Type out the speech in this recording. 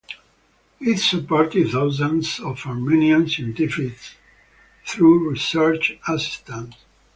It supported thousands of Armenian scientists through research assistance.